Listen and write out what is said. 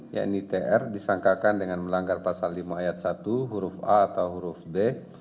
yakni tr disangkakan dengan melanggar pasal lima ayat satu huruf a atau huruf b